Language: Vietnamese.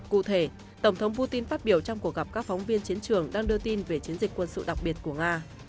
cụ thể tổng thống putin phát biểu trong cuộc gặp các phóng viên chiến trường đang đưa tin về chiến dịch quân sự đặc biệt của nga